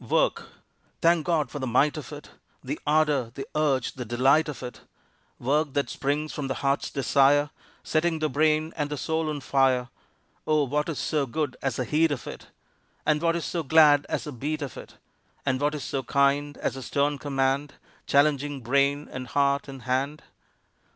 Work! Thank God for the might of it, The ardor, the urge, the delight of it Work that springs from the heart's desire, Setting the brain and the soul on fire Oh, what is so good as the heat of it, And what is so glad as the beat of it, And what is so kind as the stern command, Challenging brain and heart and hand?